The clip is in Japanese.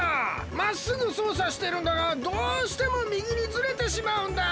まっすぐそうさしてるんだがどうしてもみぎにずれてしまうんだよ！